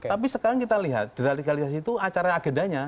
tapi sekarang kita lihat deradikalisasi itu acara agendanya